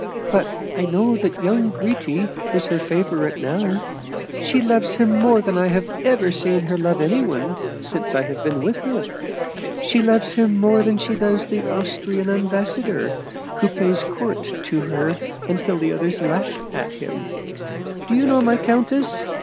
But I know that young Gritti is her favorite now ; she loves him more than I have ever seen her love anyone since I have been with her. She loves him more than she does the Austrian ambassador, who pays court to her until the others laugh at him. Do you know my countess?